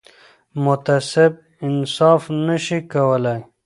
متعصب انصاف نه شي کولای